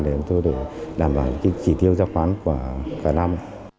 để chúng tôi đảm bảo những kỳ thiếu giao khoán của cả năm